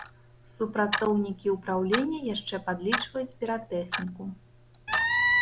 Супрацоўнікі ўпраўлення яшчэ падлічваюць піратэхніку.